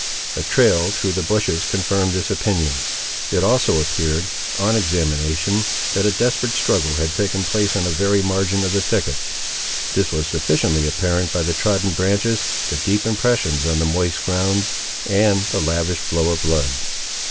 A trail through the bushes confirmed this opinion. It also appeared, on examination, that a desperate struggle had taken place on the very margin of the thicket. This was sufficiently apparent by the trodden branches, the deep impressions on the moist ground, and the lavish flow of blood.